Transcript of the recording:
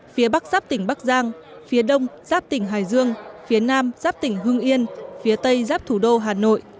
phía bắc giáp tỉnh bắc giang phía đông giáp tỉnh hải dương phía nam giáp tỉnh hương yên phía tây giáp thủ đô hà nội